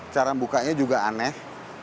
cara bukanya juga aneh